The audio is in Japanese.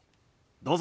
どうぞ。